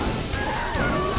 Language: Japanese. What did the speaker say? うわ！